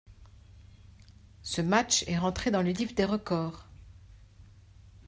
Ce match est rentré dans le livre des records.